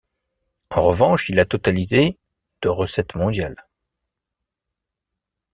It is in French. En revanche, il a totalisé de recettes mondiales.